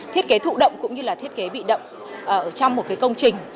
thiết kế thụ động cũng như là thiết kế bị động trong một công trình